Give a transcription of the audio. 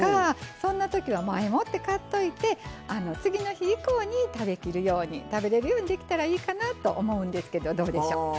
そんな時は前もって買っといて次の日以降に食べきるように食べれるようにできたらいいかなと思うんですけどどうでしょう。